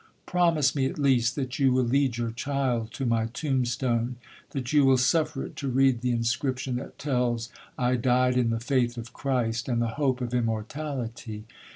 Promise me, at least, that you will lead your child to my tomb stone,—that you will suffer it to read the inscription that tells I died in the faith of Christ, and the hope of immortality.